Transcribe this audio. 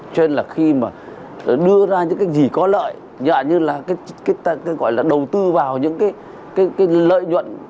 cho nên là khi mà đưa ra những cái gì có lợi như là đầu tư vào những cái lợi